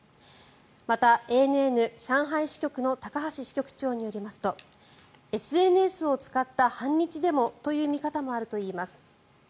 また、ＡＮＮ上海支局の高橋支局長によりますとＳＮＳを使った反日デモという見方もあるといいます。